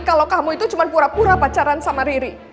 kalau kamu itu cuma pura pura pacaran sama riri